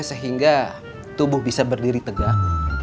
sehingga tubuh bisa berdiri tegak